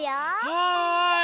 はい。